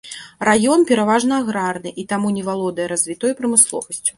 Раён, пераважна, аграрны, і таму не валодае развітой прамысловасцю.